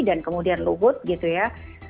dan kemudian luhut gitu ya